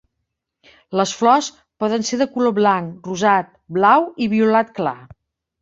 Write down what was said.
Les flors poden ser de color blanc, rosat, blau i violat clar.